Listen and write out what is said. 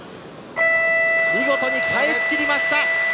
見事に返し切りました。